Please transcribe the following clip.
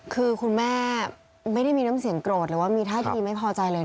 คือคุณแม่ไม่ได้มีร้องเสียงโกรธหรือว่ามีห้างดีไม่พอใช่เหรอ